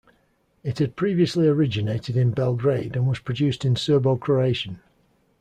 It had previously originated in Belgrade and was produced in Serbo-Croatian.